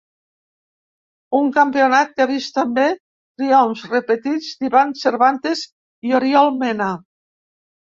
Un campionat que ha vist també triomfs repetits d'Ivan Cervantes i Oriol Mena.